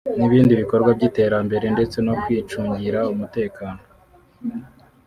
n’ibindi bikorwa by’iterambere ndetse no kwicungira umutekano